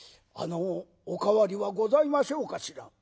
あのお代わりはございましょうかしら」。